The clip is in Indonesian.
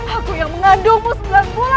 aku yang mengandungmu sembilan bulan sepuluh hari